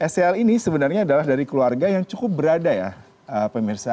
sel ini sebenarnya adalah dari keluarga yang cukup berada ya pemirsa